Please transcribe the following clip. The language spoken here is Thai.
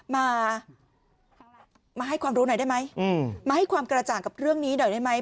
มามาให้ความรู้หน่อยได้ไหมมาให้ความกระจ่างกับเรื่องนี้หน่อยได้ไหม